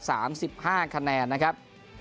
สามสิบห้าคะแนนนะครับ